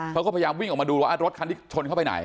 เขาก็พยายามวิ่งออกมาดูว่ารถคันที่ชนเข้าไปไหน